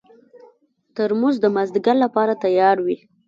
ترموز د مازدیګر لپاره تیار وي.